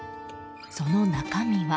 その中身は。